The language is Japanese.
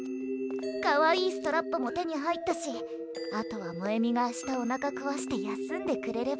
かわいいストラップも手に入ったしあとは萌美が明日おなかこわして休んでくれれば。